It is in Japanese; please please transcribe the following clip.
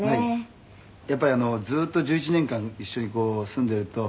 「やっぱりずっと１１年間一緒に住んでると」